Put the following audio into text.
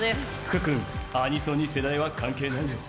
福君、アニソンに世代は関係ないよ。